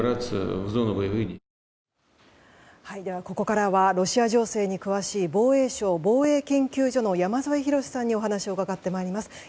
ここからはロシア情勢に詳しい防衛省防衛研究所の山添博史さんにお話を伺ってまいります。